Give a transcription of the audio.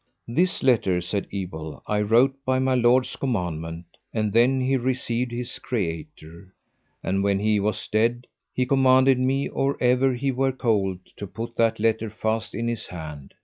This letter, said Ebel, I wrote by my lord's commandment, and then he received his Creator; and when he was dead, he commanded me or ever he were cold to put that letter fast in his hand.